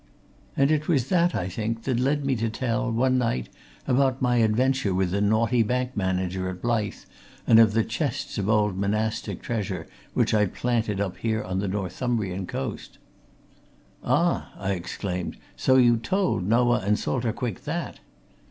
And it was that, I think, that led me to tell, one night, about my adventure with the naughty bank manager at Blyth, and of the chests of old monastic treasure which I'd planted up here on this Northumbrian coast." "Ah!" I exclaimed. "So you told Noah and Salter Quick that?"